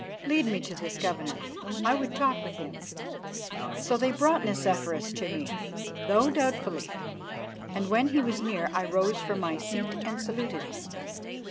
Lead me to this governor; I would talk with him." So they brought Nicephorus to me, though doubtfully, and when he was near I rose from my seat and saluted him.